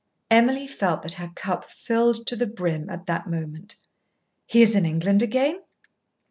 Emily felt that her cup filled to the brim at the moment. "He is in England again?"